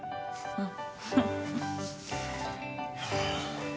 うん？